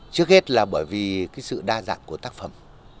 trước hết là bởi vì cái sự đa dạng của tác phẩm